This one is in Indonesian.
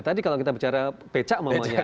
nah tadi kalau kita bicara becak umpamanya